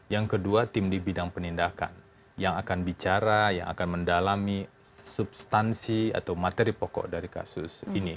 yang kedua tim di bidang penindakan yang akan bicara yang akan mendalami substansi atau materi pokok dari kasus ini